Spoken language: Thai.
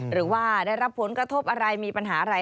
หรือว่าได้รับผลกระทบอะไรมีปัญหาอะไร